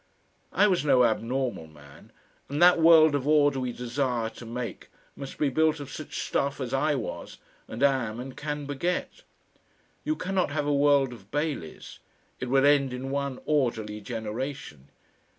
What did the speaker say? I was no abnormal man, and that world of order we desire to make must be built of such stuff as I was and am and can beget. You cannot have a world of Baileys; it would end in one orderly generation.